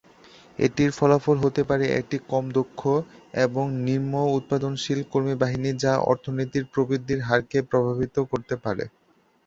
এটির ফলাফল হতে পারে একটি কম-দক্ষ এবং নিম্ন উৎপাদনশীল কর্মী বাহিনী যা অর্থনৈতিক প্রবৃদ্ধির হারকে প্রভাবিত করতে পারে।